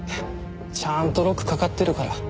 ちゃんとロックかかってるから。